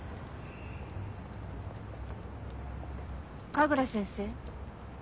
神楽先生。